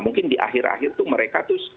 mungkin di akhir akhir tuh mereka tuh